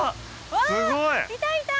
わあいたいた！